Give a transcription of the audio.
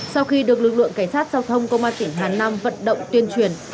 sau khi được lực lượng cảnh sát giao thông công an tỉnh hà nam vận động tuyên truyền